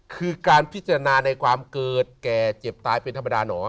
คือการพิจารณาในความเกิดแก่เจ็บตายเป็นธรรมดาหนอ